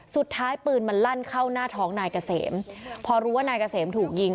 สุดท้ายปืนมันลั่นเข้าหน้าท้องนายเกษมพอรู้ว่านายเกษมถูกยิง